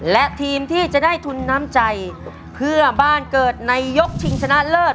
และทีมที่จะได้ทุนน้ำใจเพื่อบ้านเกิดในยกชิงชนะเลิศ